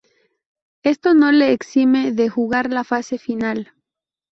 Esto no le exime de jugar la fase final.